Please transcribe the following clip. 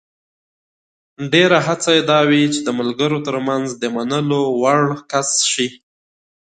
ډېره هڅه یې دا وي چې د ملګرو ترمنځ د منلو وړ کس شي.